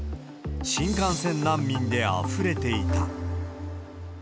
新幹線難民であふれていた。